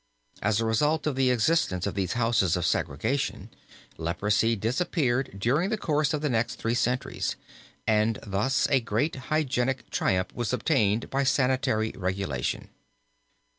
As the result of the existence of these houses of segregation, leprosy disappeared during the course of the next three centuries and thus a great hygienic triumph was obtained by sanitary regulation.